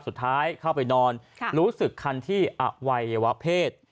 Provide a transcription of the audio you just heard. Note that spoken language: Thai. เข้าไปนอนรู้สึกคันที่อวัยวะเพศ